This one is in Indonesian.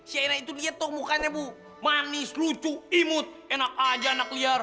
shaina itu liat tuh mukanya bu manis lucu imut enak aja anak liar